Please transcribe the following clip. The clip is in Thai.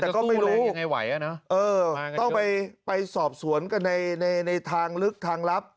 แต่ก็ไม่รู้ต้องไปสอบสวนกันในทางลึกทางลับ